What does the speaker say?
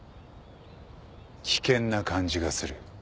危険な感じがする。